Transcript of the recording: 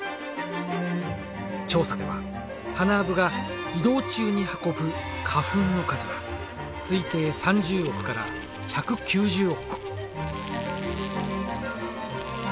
調査ではハナアブが移動中に運ぶ花粉の数は推定３０億から１９０億個。